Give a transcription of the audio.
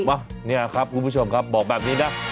ว่ะเนี่ยครับคุณผู้ชมครับบอกแบบนี้นะ